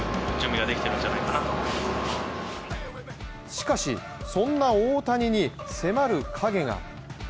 しかし、そんな大谷に迫る影が。